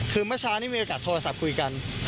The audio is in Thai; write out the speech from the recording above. คือเมื่อเช้านี้มีโอกาสโทรศัพท์คุยกัน